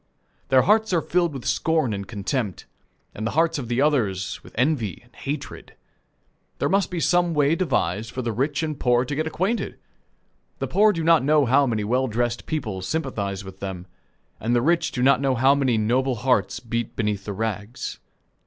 Their hearts are filled with scorn and contempt, and the hearts of the others with envy and hatred. There must be some way devised for the rich and poor to get acquainted. The poor do not know how many well dressed people sympathize with them, and the rich do not know how many noble hearts beat beneath the rags.